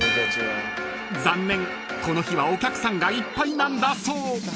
［残念この日はお客さんがいっぱいなんだそう］